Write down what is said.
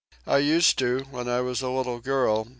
I used to when I was a little girl.